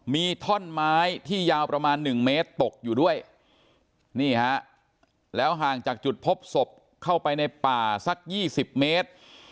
มีท่อนไม้ที่ยาวประมาณ๑เมตรตกอยู่ด้วยนี่ฮะแล้วห่างจากจุดพบศพเข้าไปในป่าสัก๒๐เมตร